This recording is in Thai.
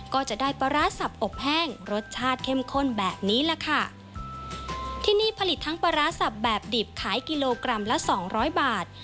ก็จะได้ปลาร้าสับอบแห้งรสชาติเข้มข้นแบบนี้แหละค่ะที่นี่ผลิตทั้งปลาร้าสับแบบดิบขายกิโลกรัมละสองร้อยบาท